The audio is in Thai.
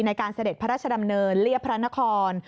เสด็จพระราชดำเนินเรียบพระนคร